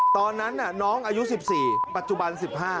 ตอนนั้นน้องอายุ๑๔ปัจจุบัน๑๕